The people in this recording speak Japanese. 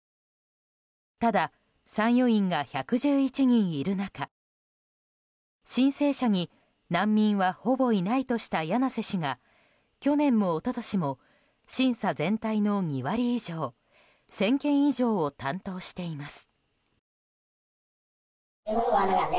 ただ、参与員が１１１人いる中申請者に難民はほぼいないとした柳瀬氏が去年も一昨年も審査全体の２割以上１０００件以上を担当しています。